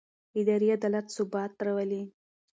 اداري عدالت ثبات راولي